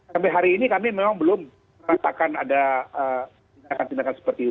sampai hari ini kami memang belum merasakan ada tindakan tindakan seperti itu